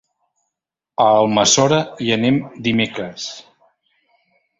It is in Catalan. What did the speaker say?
A Almassora hi anem dimecres.